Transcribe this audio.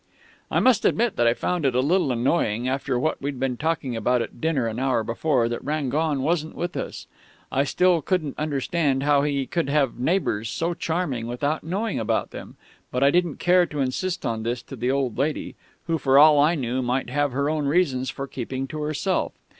"I must admit that I found it a little annoying, after what we'd been talking about at dinner an hour before, that Rangon wasn't with us. I still couldn't understand how he could have neighbours so charming without knowing about them, but I didn't care to insist on this to the old lady, who for all I knew might have her own reasons for keeping to herself.